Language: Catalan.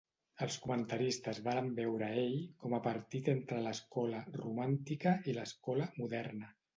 Els comentaristes varen veure ell com a partit entre l'escola 'romàntica' i l'escola 'Moderna'.